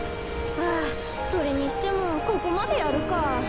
あそれにしてもここまでやるか。